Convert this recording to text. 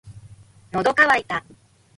喉乾いた